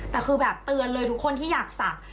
แต่คือแบบเตือนเลยทุกคนที่อยากศักดิ์